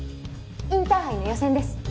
インターハイの予選です。